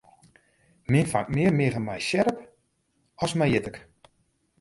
Men fangt mear miggen mei sjerp as mei jittik.